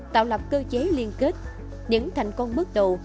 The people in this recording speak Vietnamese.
tạo lập cơ chế liên kết những thành công bước đầu